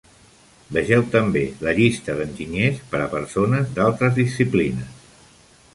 Vegeu també la llista d'enginyers per a persones d'altres disciplines.